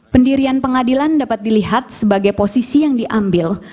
pendirian pengadilan dapat dilihat sebagai posisi yang diambil